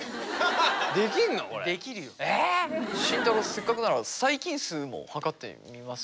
せっかくなら細菌数も測ってみますか。